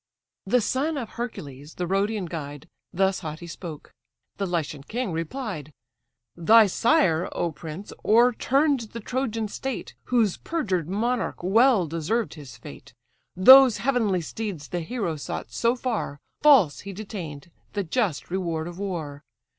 The son of Hercules, the Rhodian guide, Thus haughty spoke. The Lycian king replied: "Thy sire, O prince! o'erturn'd the Trojan state, Whose perjured monarch well deserved his fate; Those heavenly steeds the hero sought so far, False he detain'd, the just reward of war.